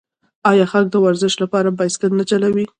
آیا خلک د ورزش لپاره بایسکل نه چلوي؟